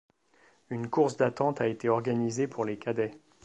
Une course d'attente a été organisée pour les Cadets.